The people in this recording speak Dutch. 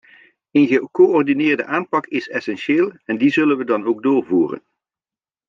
Een gecoördineerde aanpak is essentieel en die zullen we dan ook doorvoeren.